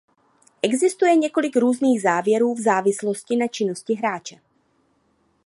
Existuje několik různých závěrů v závislosti na činnosti hráče.